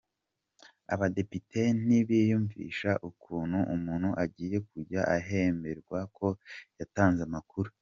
Abadepite ntibiyumvisha ukuntu umuntu agiye kujya ahemberwa ko yatanze amakuru.